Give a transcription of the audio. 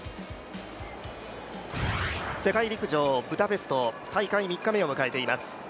世界陸上ブダペスト大会３日目を迎えています。